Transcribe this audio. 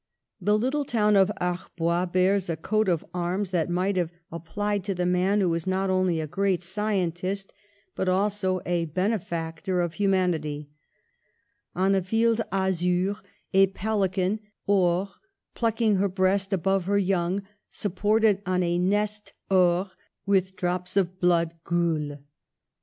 The little town of Arbois bears a coat of arms that might well have applied to the man who was not only a great scientist but also a bene A STUDIOUS BOYHOOD 5 factor of humanity : on a field azure, a pelican or plucking her breast above her young, sup ported on a nest or, with drops of blood gules.